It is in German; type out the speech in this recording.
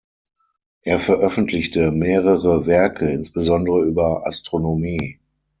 Er veröffentlichte mehrere Werke, insbesondere über Astronomie.